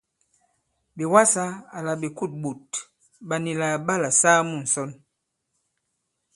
Ɓè wasā àlà ɓè kûs ɓòt ɓà nì là ɓalà saa mu ŋ̀sɔn.